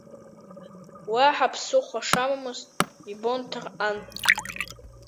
Уаҳа ԥсыхәа шамамыз ибон Ҭарҟан.